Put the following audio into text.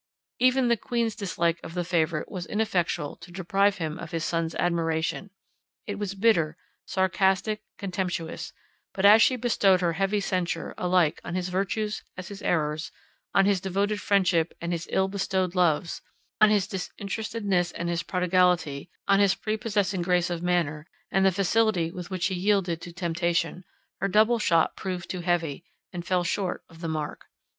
Even the queen's dislike of the favourite was ineffectual to deprive him of his son's admiration: it was bitter, sarcastic, contemptuous—but as she bestowed her heavy censure alike on his virtues as his errors, on his devoted friendship and his ill bestowed loves, on his disinterestedness and his prodigality, on his pre possessing grace of manner, and the facility with which he yielded to temptation, her double shot proved too heavy, and fell short of the mark.